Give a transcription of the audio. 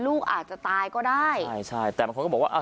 ลูกอาจจะตายก็ได้ใช่ใช่แต่บางคนก็บอกว่าอ่า